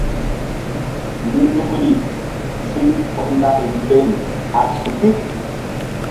Nzukri ziŋ hɔndal mberem a suki.